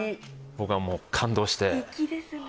僕はもう感動して粋ですね